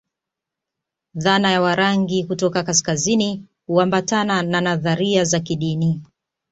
Dhana ya Warangi kutoka kaskazini huambatana na nadharia za kidini